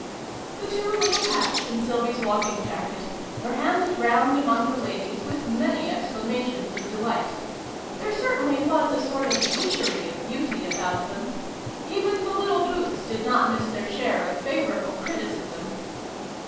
The two little hats, and Sylvie's walking jacket, were handed round among the ladies, with many exclamations of delight. There certainly was a sort of witchery of beauty about them. Even the little boots did not miss their share of favorable criticism.